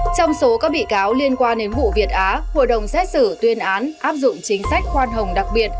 trong số các bị cáo liên quan đến vụ việt á hội đồng xét xử tuyên án áp dụng chính sách khoan hồng đặc biệt